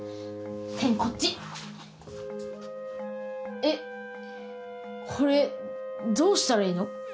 てんこっちえっこれどうしたらいいの？